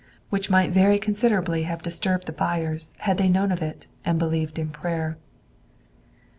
Which might very considerably have disturbed the buyers had they known of it and believed in prayer.